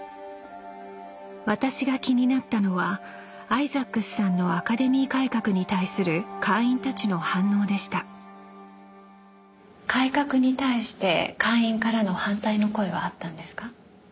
私が気になったのはアイザックスさんのアカデミー改革に対する会員たちの反応でした改革に対して会員からの反対の声はあったんですか？